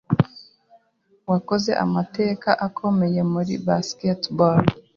wakoze amateka akomeye muri Basketball